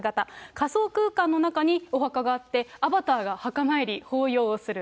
仮想空間の中にお墓があって、アバターが墓参り、法要をする。